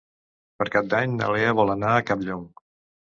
Per Cap d'Any na Lea vol anar a Campllong.